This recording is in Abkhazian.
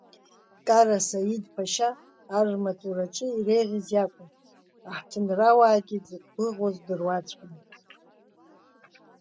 Кара Саид Ԥашьа, аррамаҵураҿы иреиӷьыз иакәын, аҳҭынрауаагьы зықәгәыӷуаз дыруаӡәкын.